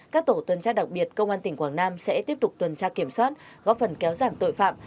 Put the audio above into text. các tổ tuần tra đặc biệt công an tỉnh quảng nam sẽ tiếp tục tuần tra kiểm soát góp phần kéo giảm tội phạm